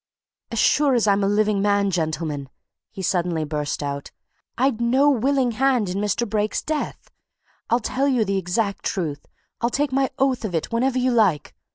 "As sure as I'm a living man, gentlemen!" he suddenly burst out, "I'd no willing hand in Mr. Brake's death! I'll tell you the exact truth; I'll take my oath of it whenever you like.